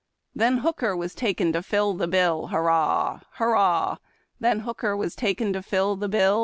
Then Hooker was taken to fill the bill, Hurrah ! Hurrah ! Then Hooker was taken to fill the bill.